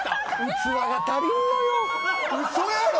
器が足りんのよ。